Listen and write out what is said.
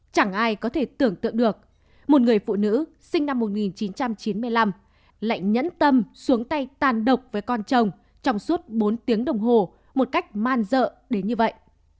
chẳng ai có thể tưởng tượng được một người phụ nữ sinh năm một nghìn chín trăm chín mươi năm lại nhẫn tâm xuống tay tàn độc với con chồng trong suốt bốn tiếng đồng hồ một cách man dợ đến như vậy